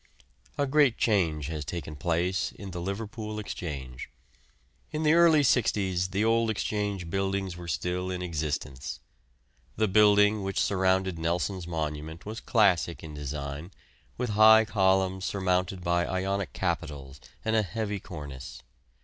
A great change has taken place in the Liverpool Exchange. In the early 'sixties the old Exchange buildings were still in existence. The building which surrounded Nelson's monument was classic in design, with high columns surmounted by Ionic capitals and a heavy cornice.